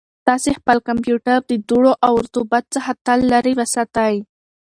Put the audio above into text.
تاسو خپل کمپیوټر د دوړو او رطوبت څخه تل لرې وساتئ.